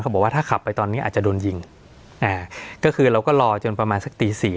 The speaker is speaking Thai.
บอกว่าถ้าขับไปตอนนี้อาจจะโดนยิงอ่าก็คือเราก็รอจนประมาณสักตีสี่